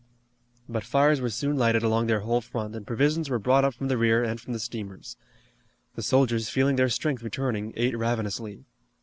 But fires were soon lighted along their whole front, and provisions were brought up from the rear and from the steamers. The soldiers, feeling their strength returning, ate ravenously.